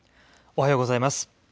おはようございます。